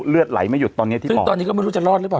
เลือดไหลไม่หยุดตอนนี้ซึ่งตอนนี้ก็ไม่รู้จะรอดหรือเปล่า